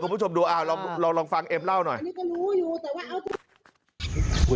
คุณผู้ชมดูเราลองฟังเอ็มเล่าหน่อย